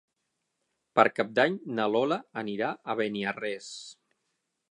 Per Cap d'Any na Lola anirà a Beniarrés.